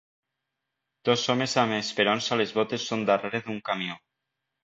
Dos homes amb esperons a les botes són darrere d'un camió.